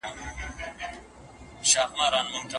که ته په املا کي د هر توري حق ادا کړې.